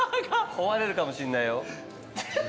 壊れるかもしんないよ。